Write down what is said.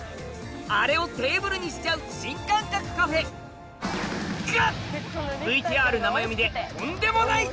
あれをテーブルにしちゃう新感覚カフェが！